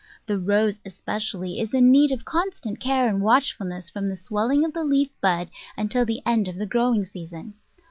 The Rose, especially, is in need of constant care and watchfulness from the swelling of the leaf bud until the end of the growing season.